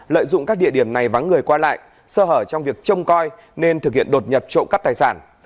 lợi dụng các địa điểm này vắng người qua lại sơ hở trong việc trông coi nên thực hiện đột nhập trộm cắp tài sản